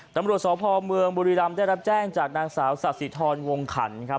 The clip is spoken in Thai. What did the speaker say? ตำรวจสพเมืองบุรีรำได้รับแจ้งจากนางสาวสาธิธรวงขันครับ